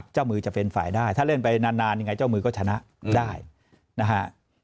เจ้ามือจะเป็นฝ่ายได้ถ้าเล่นไปนานยังไงเจ้ามือก็ชนะได้นะฮะ